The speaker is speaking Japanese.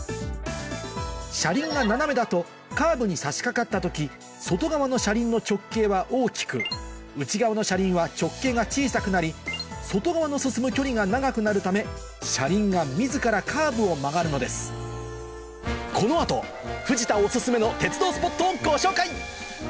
車輪が斜めだとカーブに差し掛かった時外側の車輪の直径は大きく内側の車輪は直径が小さくなり外側の進む距離が長くなるため車輪が自らカーブを曲がるのです焼肉うまっ